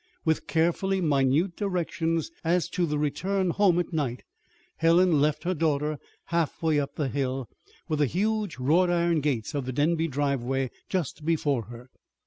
With carefully minute directions as to the return home at night, Helen left her daughter halfway up the hill, with the huge wrought iron gates of the Denby driveway just before her.